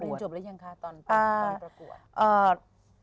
เรียนจบแล้วยังคะตอนประกวด